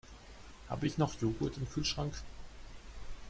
Habe ich noch Joghurt im Kühlschrank?